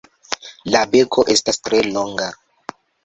La beko estas tre longa.